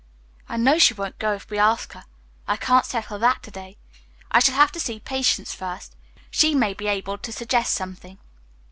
"I know she won't go if we ask her. I can't settle that to day. I shall have to see Patience first. She may be able to suggest something."